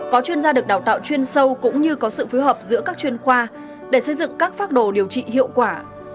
có chuyên gia được đào tạo chuyên sâu cũng như có sự phối hợp giữa các chuyên khoa để xây dựng các phác đồ điều trị hiệu quả